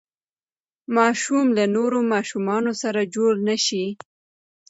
ماشوم له نورو ماشومانو سره جوړ نه شي.